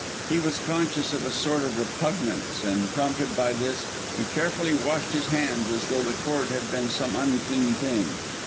He was conscious of a sort of repugnance; and prompted by this, he carefully washed his hands as though the cord had been some unclean thing.